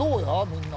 みんな。